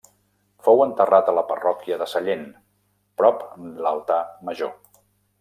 Fou enterrat a la parròquia de Sallent, prop l'altar major.